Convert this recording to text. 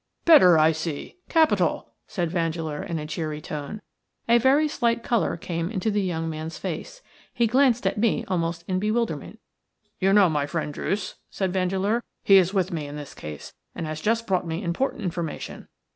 "Better, I see. Capital!" said Vandeleur, in a cheerful tone. A very slight colour came into the young man's face. He glanced at me almost in bewilderment. "You know my friend Druce," said Vandeleur, "He is with me in this case, and has just brought me important information.